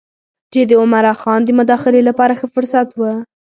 چې د عمرا خان د مداخلې لپاره ښه فرصت و.